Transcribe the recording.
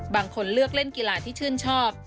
บางคนเลือกเล่นกีฬาที่ชื่นชอบ